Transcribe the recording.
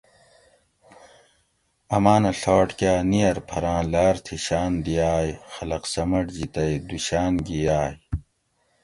امانہ ڷاٹ کاۤ نئیر پھراۤں لاۤر تھی شاۤن دیائے خلق سمٹ جی تئی دو شاۤن گھی یاۤئے